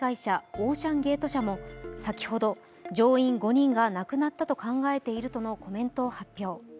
オーシャンゲート社も先ほど、乗員５人が亡くなったと考えているとのコメントを発表。